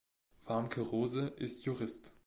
Warmke-Rose ist Jurist.